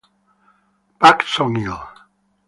Pak Song-il